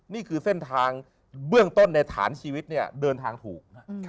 นี่คือเส้นทางเบื้องต้นในฐานชีวิตเนี่ยเดินทางถูก